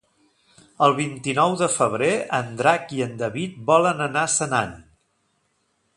El vint-i-nou de febrer en Drac i en David volen anar a Senan.